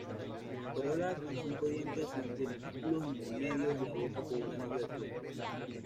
Corola con cinco dientes, sin dentículos intermedios; la boca con un anillo de flecos.